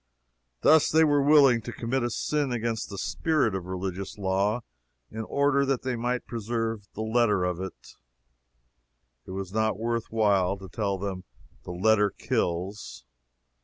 Thus they were willing to commit a sin against the spirit of religious law, in order that they might preserve the letter of it. It was not worth while to tell them "the letter kills."